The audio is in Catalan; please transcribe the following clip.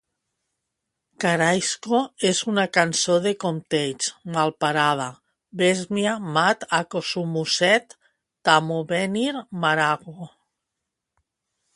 Cairasco és una cançó de compteig malparada, "besmia mat acosomuset tamobenir marago".